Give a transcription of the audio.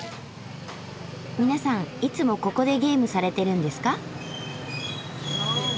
皆さんいつもここでゲームされてるんですか？